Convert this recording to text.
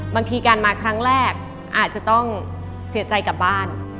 บางทีการมาครั้งแรกอาจจะต้องเสียใจกลับบ้าน